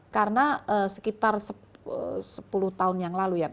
karena sekitar sepuluh tahun yang lalu ya